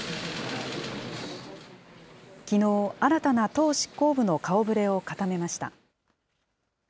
きのう、新たな党執行部の顔ぶれを固めました。